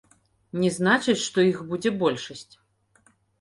Не значыць, што іх будзе большасць.